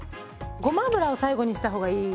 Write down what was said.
ごま油を最後にした方がいい。